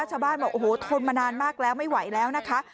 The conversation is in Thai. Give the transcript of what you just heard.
ชาวบ้านบอกโอ้โหทนมานานมากแล้วไม่ไหวแล้วนะคะ